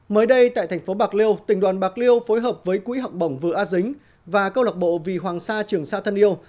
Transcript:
mới đây tại thành phố bạc liêu tỉnh đoàn bạc liêu phối hợp với quỹ học bổng vừa a dính và câu lạc bộ vì hoàng sa trường sa thân yêu